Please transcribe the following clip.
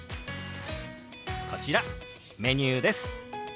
こちらメニューです。